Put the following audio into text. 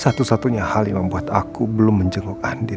satu satunya hal yang membuat aku belum menjenguk andi